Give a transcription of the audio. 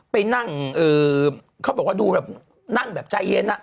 ไปนั่งเขาบอกว่าดูแบบนั่งแบบใจเย็น